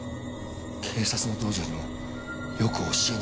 警察の道場にもよく教えにきてたな。